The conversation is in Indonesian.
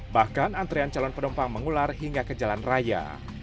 bahkan antrean calon penumpang mengular hingga ke jalan raya